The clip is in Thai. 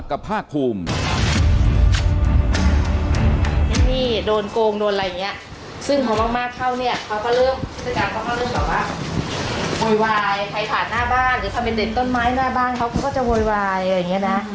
อันนี้โดนโกงโดนอะไรอย่างเงี้ยซึ่งของมากเขาเนี่ยเขาก็เริ่มพฤติการเขาก็เริ่มขอว่าโวยวายใครผ่านหน้าบ้านหรือถ้าเป็นเด็ดต้นไม้หน้าบ้างเขาก็จะโวยวายอย่างเงี้ยนะ